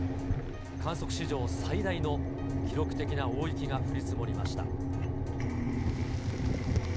観測史上最大の記録的な大雪が降り積もりました。